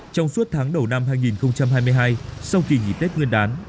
trong suốt tháng đầu năm hai nghìn hai mươi hai sau kỳ nghỉ tết nguyên đán